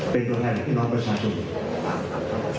เป็นตัวแพทย์ของพี่น้องประชาชุภูมิ